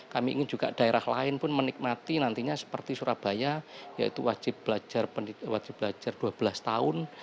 kami ingin juga daerah lain pun menikmati nantinya seperti surabaya yaitu wajib belajar dua belas tahun